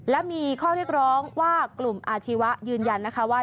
และมีข้อเรียกร้องว่ากลุ่มอาชีวะยืนยันนะคะว่า